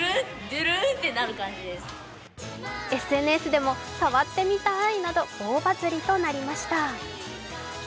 ＳＮＳでも触ってみたいなど大バズりとなりました。